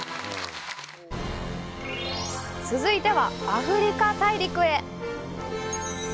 続いては、アフリカ大陸へ！